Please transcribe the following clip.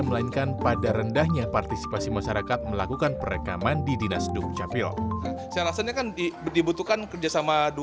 melainkan pada rendahnya partisipasi masyarakat melakukan perekaman di dinas dukcapil